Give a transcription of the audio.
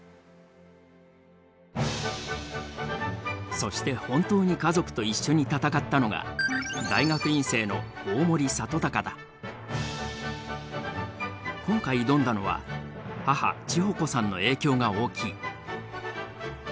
そして本当に家族と一緒に闘ったのが今回挑んだのは母智穂子さんの影響が大きい。